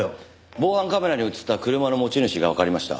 防犯カメラに映った車の持ち主がわかりました。